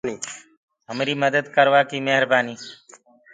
همري مدد ڪروآڪي مهربآنيٚ۔